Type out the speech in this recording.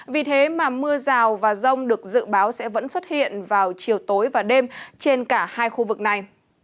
vì thế mà mưa rào và rông được dự báo sẽ vẫn xuất hiện vào chiều tối và đêm trên cả hai khu vực này